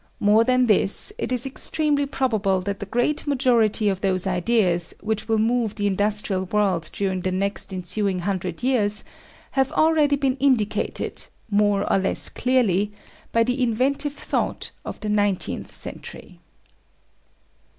More than this, it is extremely probable that the great majority of those ideas which will move the industrial world during the next ensuing hundred years have already been indicated, more or less clearly, by the inventive thought of the nineteenth century.